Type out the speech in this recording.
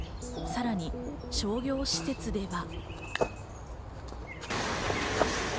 さらに商業施設では。